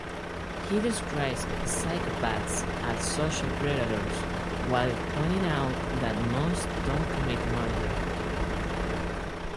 He describes psychopaths as 'social predators', while pointing out that most don't commit murder.